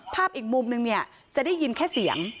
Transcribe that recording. อีกมุมนึงเนี่ยจะได้ยินแค่เสียง